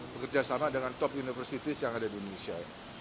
bekerjasama dengan top universities yang ada di indonesia